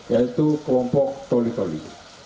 yaitu kelompok toli toli